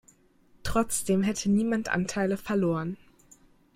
Trotzdem hätte niemand Anteile verloren.